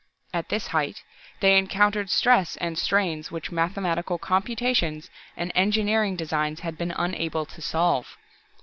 At this height, they encountered stress and strains which mathematical computations and engineering designs had been unable to solve.